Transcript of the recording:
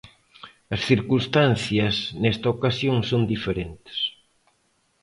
As circunstancias nesta ocasión son diferentes.